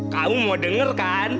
kamu mau denger kan